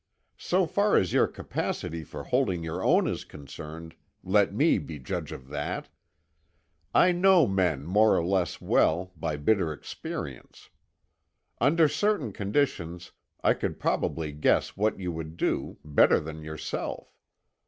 So far as your capacity for holding your own is concerned, let me be judge of that. I know men more or less well—by bitter experience. Under certain conditions I could probably guess what you would do, better than yourself.